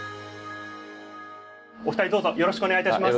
お二人どうぞよろしくお願いいたします。